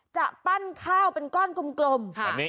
จะปั้นข้าวเป็นก้อนกลม